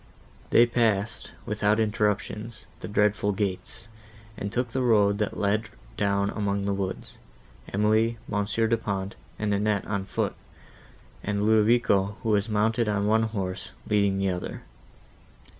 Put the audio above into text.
They passed, without interruption, the dreadful gates, and took the road that led down among the woods, Emily, Monsieur Du Pont and Annette on foot, and Ludovico, who was mounted on one horse, leading the other.